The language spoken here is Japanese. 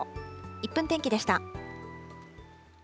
１分天気でした。